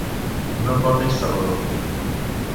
No porta instal·lador.